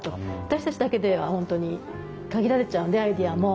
私たちだけでは本当に限られちゃうんでアイデアも。